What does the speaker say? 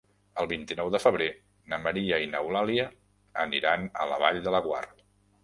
El vint-i-nou de febrer na Maria i n'Eulàlia aniran a la Vall de Laguar.